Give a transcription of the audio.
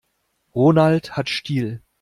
Ronald hat Stil.